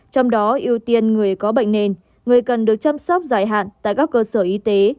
trong đó ưu tiên người có bệnh nền người cần được chăm sóc dài hạn tại các cơ sở y tế